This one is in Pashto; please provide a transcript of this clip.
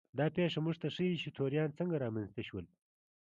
دا پېښه موږ ته ښيي چې توریان څنګه رامنځته شول.